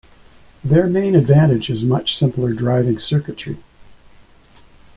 Their main advantage is much simpler driving circuitry.